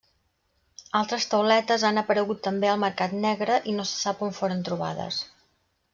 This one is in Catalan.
Altres tauletes han aparegut també al mercat negre i no se sap on foren trobades.